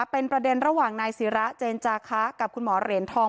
เป็นประเด็นระหว่างนายศิระเจนจาคะกับคุณหมอเหรียญทอง